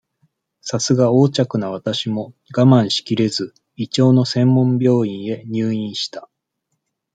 さすが横着な私も、我慢しきれず、胃腸の専門病院へ入院した。